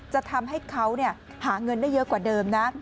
จะทำให้เขาหาเงินได้เยอะกว่าเดิมนะ